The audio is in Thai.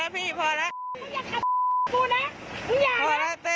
พอแล้วก็ไม่อยากโหม่นก็ไม่อยากเลย